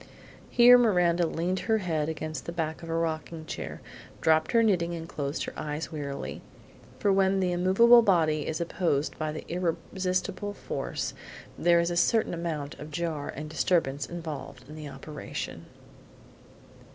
Here Miranda leaned her head against the back of her rocking chair, dropped her knitting and closed her eyes wearily, for when the immovable body is opposed by the irresistible force there is a certain amount of jar and disturbance involved in the operation.